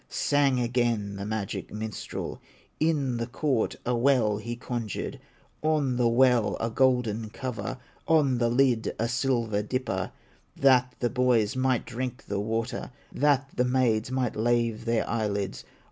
Sang again the magic minstrel, In the court a well he conjured, On the well a golden cover, On the lid a silver dipper, That the boys might drink the water, That the maids might lave their eyelids.